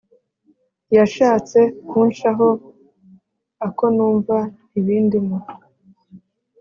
Yashatse kunshaho ako numva ntibindimo